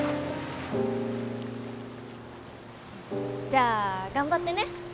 じゃあ頑張ってね！